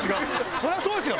そりゃそうですよ。